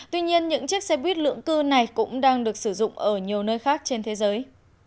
tuy nhiên những chiếc xe buýt lượng cư này cũng đang được sử dụng ở nhiều nơi khác trên thế giới